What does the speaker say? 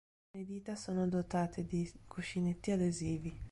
Le dita sono dotate di cuscinetti adesivi.